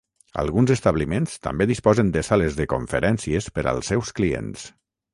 Alguns establiments també disposen de sales de conferències per als seus clients.